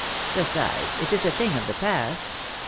Besides, it is a thing of the past.